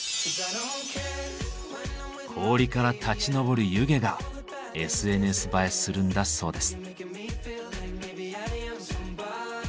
氷から立ち上る湯気がＳＮＳ映えするんだそうです。